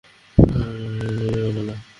আমি এটা নিজে বানালাম।